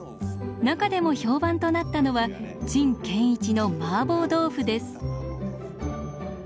中でも評判となったのは「陳建一のマーボー豆腐」です。